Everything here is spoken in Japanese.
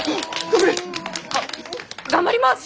頑張ります！